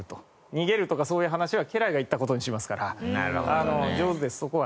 逃げるとかそういう話は家来が言った事にしますから上手ですそこは。